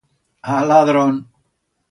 Ah, ladrón!